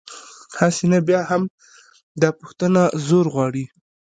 هسې، نه بیا هم، دا پوښتنه زور غواړي.